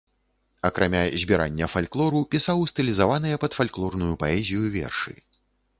Акрамя збірання фальклору пісаў стылізаваныя пад фальклорную паэзію вершы.